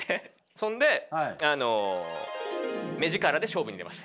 そんであの目力で勝負に出ました。